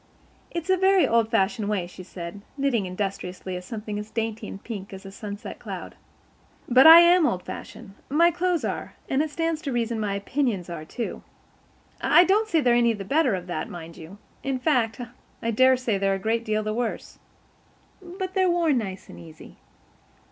"It's a very old fashioned way," she said, knitting industriously at something as dainty and pink as a sunset cloud. "But I am old fashioned. My clothes are, and it stands to reason my opinions are, too. I don't say they're any the better of that, mind you. In fact, I daresay they're a good deal the worse. But they've worn nice and easy.